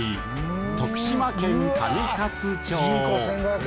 徳島県上勝町。